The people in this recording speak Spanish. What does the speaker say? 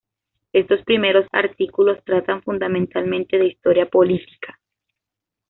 Estos primeros artículos tratan fundamentalmente de historia política.